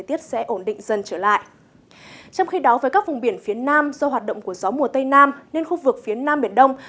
trong khi đó với các vùng biển phía nam do hoạt động của gió mùa tây nam nên khu vực phía nam biển đông